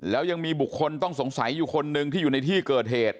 แล้วยังมีบุคคลต้องสงสัยอยู่คนหนึ่งที่อยู่ในที่เกิดเหตุ